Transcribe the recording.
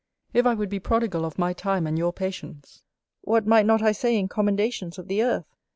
If I would be prodigal of my time and your patience, what might not I say in commendations of the earth?